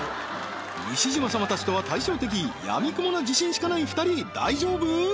西島様たちとは対照的やみくもな自信しかない２人大丈夫？